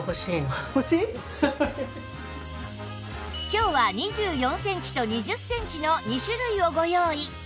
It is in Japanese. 今日は２４センチと２０センチの２種類をご用意